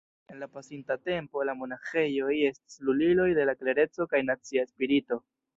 En la pasinta tempo, la monaĥejoj estis luliloj de la klereco kaj nacia spirito.